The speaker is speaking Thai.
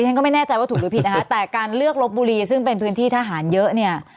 ฉันก็ไม่แน่ใจว่าถูกหรือผิดนะคะแต่การเลือกลบบุรีซึ่งเป็นพื้นที่ทหารเยอะเนี่ย